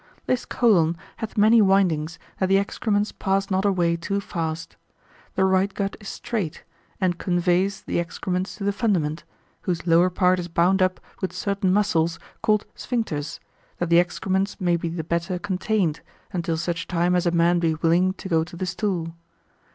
This colon hath many windings, that the excrements pass not away too fast: the right gut is straight, and conveys the excrements to the fundament, whose lower part is bound up with certain muscles called sphincters, that the excrements may be the better contained, until such time as a man be willing to go to the stool.